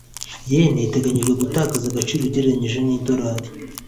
yen iteganijwe gutakaza agaciro ugereranije nidolari